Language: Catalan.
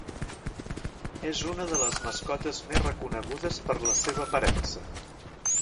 És una de les mascotes més reconegudes per la seva aparença.